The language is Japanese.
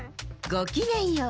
ごきげんよう。